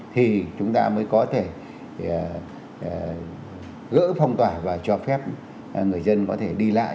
thì chúng ta mới có thể gỡ phong tỏa và cho phép người dân có thể đi lại